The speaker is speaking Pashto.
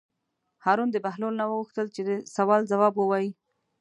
هارون د بهلول نه وغوښتل چې د سوال ځواب ووایي.